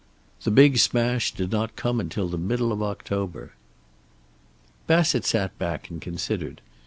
The big smash did not come until the middle of October. Bassett sat back and considered.